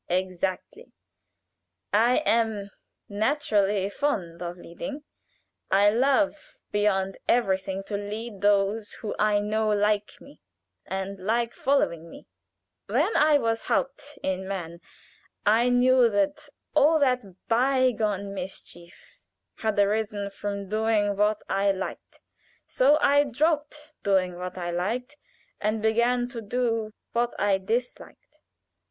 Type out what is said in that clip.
"Exactly. I am naturally fond of leading. I love beyond everything to lead those who I know like me, and like following me. When I was haupt I mean, I knew that all that by gone mischief had arisen from doing what I liked, so I dropped doing what I liked, and began to do what I disliked.